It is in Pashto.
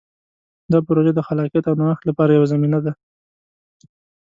دا پروژه د خلاقیت او نوښت لپاره یوه زمینه ده.